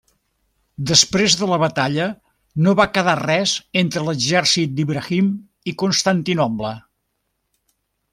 Després de la batalla no va quedar res entre l'exèrcit d'Ibrahim i Constantinoble.